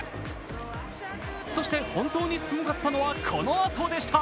そして本当にすごかったのはこのあとでした。